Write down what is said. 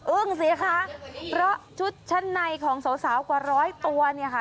สิคะเพราะชุดชั้นในของสาวกว่าร้อยตัวเนี่ยค่ะ